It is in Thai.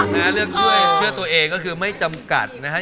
นะฮะเลือกช่วยเชื่อตัวเองก็คือไม่จำกัดนะฮะ